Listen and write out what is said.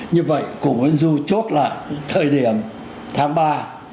như vậy cùng nguyễn du chốt lại thời điểm tháng ba